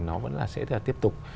nó vẫn là sẽ tiếp tục